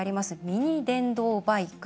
ミニ電動バイク。